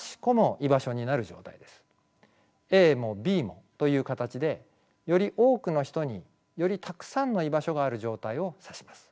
ＡもＢもという形でより多くの人によりたくさんの居場所がある状態を指します。